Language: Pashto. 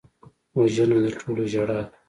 وژنه د ټولو ژړا ده